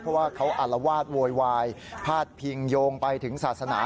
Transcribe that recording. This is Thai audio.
เพราะว่าเขาอารวาสโวยวายพาดพิงโยงไปถึงศาสนา